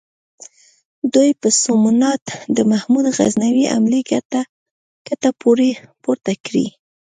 دوی په سومنات د محمود غزنوي حملې کته پورته کړې.